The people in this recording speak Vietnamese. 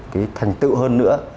cái thành tựu hơn nữa